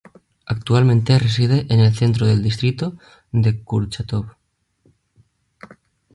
Actualmente reside en el centro del distrito de Kurchátov.